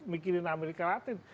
mikirin amerika latin